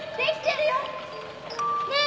ねえ！